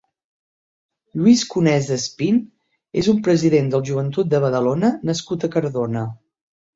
Lluís Conesa Espín és un president del Joventut de Badalona nascut a Cardona.